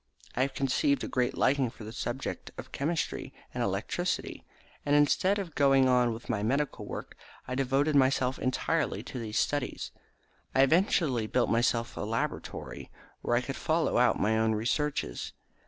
I had conceived a great liking for the subjects of chemistry and electricity, and instead of going on with my medical work I devoted myself entirely to these studies, and eventually built myself a laboratory where I could follow out my own researches.